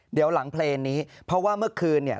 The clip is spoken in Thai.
เดี๋ยวหลังเพลงนี้เพราะว่าเมื่อคืนเนี่ย